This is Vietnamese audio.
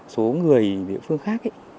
số người địa phương khác